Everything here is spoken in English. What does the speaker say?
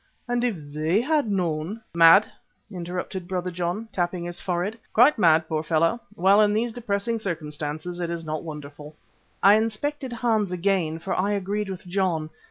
And if they had known " "Mad!" interrupted Brother John, tapping his forehead, "quite mad, poor fellow! Well, in these depressing circumstances it is not wonderful." I inspected Hans again, for I agreed with John.